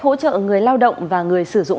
hỗ trợ người lao động và người sử dụng